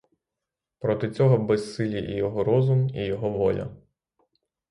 Проти цього безсилі і його розум, і його воля.